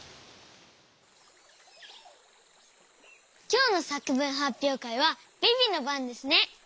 きょうのさくぶんはっぴょうかいはビビのばんですね。